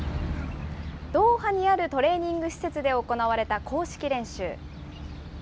ドーハにあるトレーニング施設で行われた公式練習。